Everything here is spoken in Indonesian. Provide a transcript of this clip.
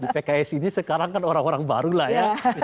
pks ini sekarang kan orang orang baru lah ya